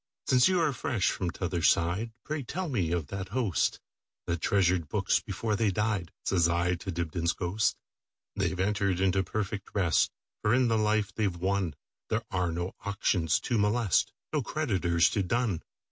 "Since you are fresh from t'other side, Pray tell me of that hostThat treasured books before they died,"Says I to Dibdin's ghost."They 've entered into perfect rest; For in the life they 've wonThere are no auctions to molest, No creditors to dun.